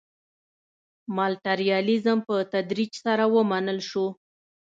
ماټریالیزم په تدریج سره ومنل شو.